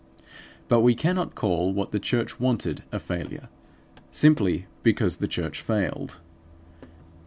But we cannot call what the church wanted a failure, simply because the church failed.